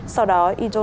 sau đó ijon đánh